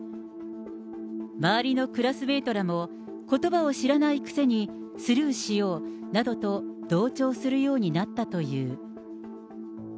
周りのクラスメートらも、ことばを知らないくせに、スルーしようなどと、同調するようになったという。